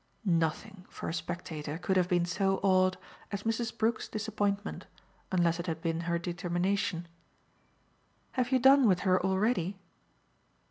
Nothing, for a spectator, could have been so odd as Mrs. Brook's disappointment unless it had been her determination. "Have you done with her already?"